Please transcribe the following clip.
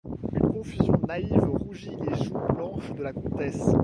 Une confusion naïve rougit les joues blanches de la comtesse.